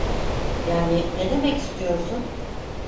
Yani ne demek istiyorsun?